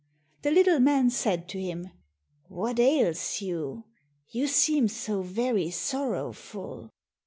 The little man said to him, "What ails you, you seem so very sorrowful?"